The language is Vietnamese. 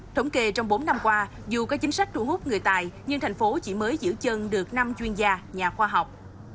thống kê trong bốn năm qua dù có chính sách thu hút người tài nhưng thành phố chỉ mới giữ chân được năm chuyên gia nhà khoa học